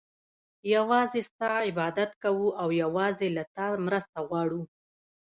يوازي ستا عبادت كوو او يوازي له تا مرسته غواړو